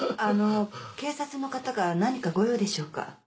あの警察の方が何かご用でしょうか？